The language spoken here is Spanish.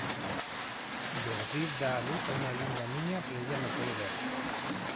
Beatriz da a luz a una linda niña pero ella no puede verla.